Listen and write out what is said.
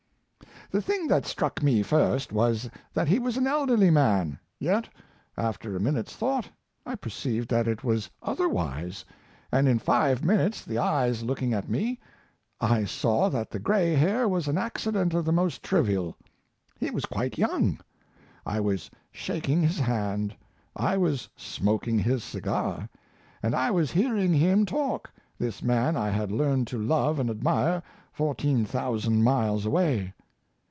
The thing that struck me first was that he was an elderly man; yet, after a minute's thought, I perceived that it was otherwise, and in five minutes, the eyes looking at me, I saw that the gray hair was an accident of the most trivial. He was quite young. I was shaking his hand. I was smoking his cigar, and I was hearing him talk this man I had learned to love and admire fourteen thousand miles away.